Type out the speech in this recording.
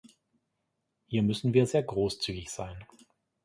Hier müssen wir sehr großzügig sein.